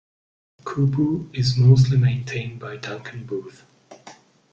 Kupu is mostly maintained by Duncan Booth.